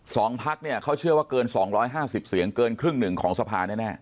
สองพักเนี่ยเขาเชื่อว่าเกิน๒๕๐เสียงเกินครึ่งหนึ่งของสภาแน่